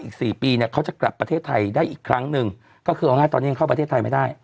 อีกสี่ปีเนี่ยเขาจะกลับประเทศไทยได้อีกครั้งหนึ่งก็คือเอาง่ายตอนนี้ยังเข้าประเทศไทยไม่ได้